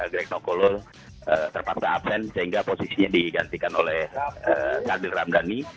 greg nocolo terpaksa absen sehingga posisinya digantikan oleh sadil ramdhani